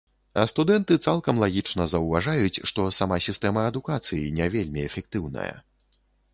А студэнты цалкам лагічна заўважаюць, што сама сістэма адукацыі не вельмі эфектыўная.